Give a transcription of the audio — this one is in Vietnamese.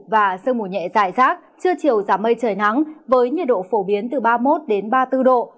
và sương mù nhẹ dài rác trưa chiều giảm mây trời nắng với nhiệt độ phổ biến từ ba mươi một ba mươi bốn độ